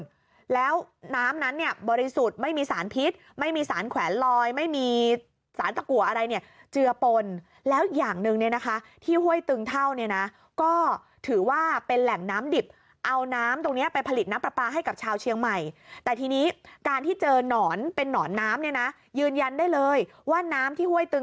แล้วน้ำนั้นเนี่ยบริสุทธิ์ไม่มีสารพิษไม่มีสารแขวนลอยไม่มีสารตะกัวอะไรเนี่ยเจือปนแล้วอย่างหนึ่งเนี่ยนะคะที่ห้วยตึงเท่าเนี่ยนะก็ถือว่าเป็นแหล่งน้ำดิบเอาน้ำตรงเนี้ยไปผลิตน้ำปลาปลาให้กับชาวเชียงใหม่แต่ทีนี้การที่เจอหนอนเป็นหนอนน้ำเนี่ยนะยืนยันได้เลยว่าน้ำที่ห้วยตึง